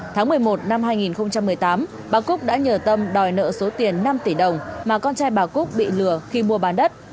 tháng một mươi một năm hai nghìn một mươi tám bà cúc đã nhờ tâm đòi nợ số tiền năm tỷ đồng mà con trai bà cúc bị lừa khi mua bán đất